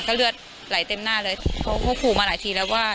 เลือดไหลเต็มหน้าเลยเขาก็ขู่มาหลายทีแล้วว่า